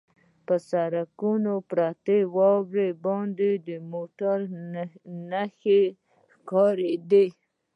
پر سړک پرتو واورو باندې د موټرو نښې ښکارېدې.